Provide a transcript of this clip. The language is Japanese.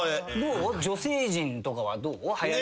女性陣とかはどう？